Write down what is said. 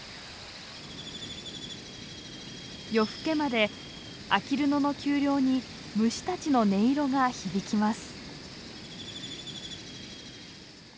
夜更けまであきる野の丘陵に虫たちの音色が響きます。